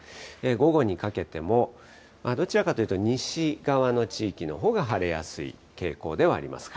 午後にかけても、どちらかというと西側の地域のほうが晴れやすい傾向ではあります。